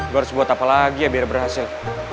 gue harus buat apa lagi ya biar berhasil